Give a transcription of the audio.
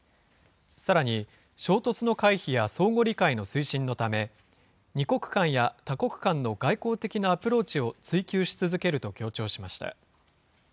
さらに、衝突の回避や相互理解の推進のため、２国間や多国間の外交的なアプローチを追求し続けると強調しました。